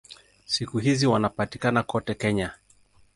Siku hizi wanapatikana kote Kenya.